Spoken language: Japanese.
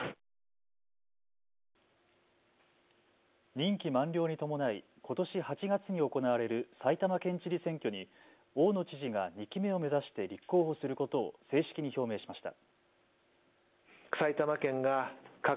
任期満了に伴い、ことし８月に行われる埼玉県知事選挙に大野知事が２期目を目指して立候補することを正式に表明しました。